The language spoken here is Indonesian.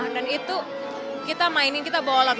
dan itu kita mainin kita bawa lagu